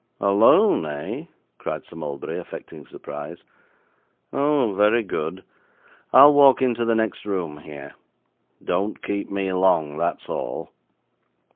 'Alone, eh?' cried Sir Mulberry, affecting surprise. 'Oh, very good. I'll walk into the next room here. Don't keep me long, that's all.